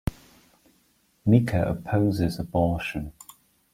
Mica opposes abortion.